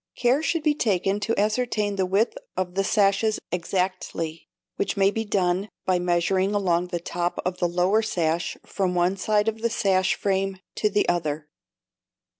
Care should be taken to ascertain the width of the sashes exactly, which may be done by measuring along the top of the lower sash, from one side of the sash frame to the other.